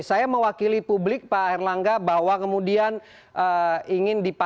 saya mewakili publik pak erlangga bahwa kemudian ingin dipahami